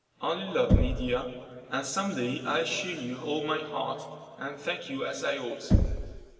Only love me, dear, and some day I'll show you all my heart, and thank you as I ought."